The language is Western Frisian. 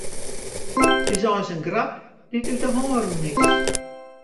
It is eins in grap dy't út de hân rûn is.